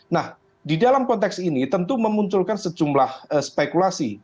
nah di dalam konteks ini tentu memunculkan sejumlah spekulasi